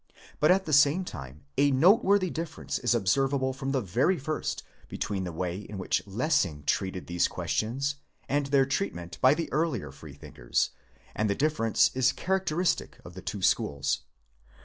But at the same time a noteworthy difference is observable from the very first between the way in which Lessing treated these questions and their treatment by the earlier Free thinkers; and the difference is characteristic of the two schools.